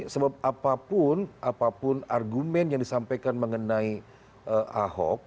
sebab apapun apapun argumen yang disampaikan mengenai ahok